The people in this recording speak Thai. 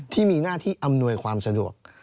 ที่มีหน้าที่อำนวยความสะดวก